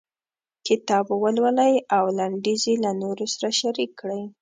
کتاب ولولئ او لنډيز یې له نورو سره شريک کړئ.